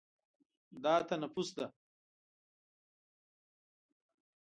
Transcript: دا تنفس ده.